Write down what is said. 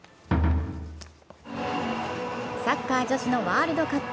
サッカー女子のワールドカップ。